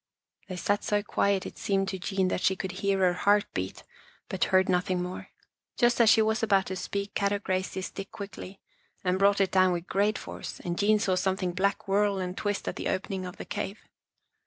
" They sat so quiet it seemed to Jean that she could hear her heart beat, but heard nothing more. Just as she was about to speak, Kadok raised his stick quickly and brought it down with great force and Jean saw something black whirl and twist at the opening of the cave.